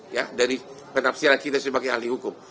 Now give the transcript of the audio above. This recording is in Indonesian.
ya dari penafsiran kita sebagai ahli hukum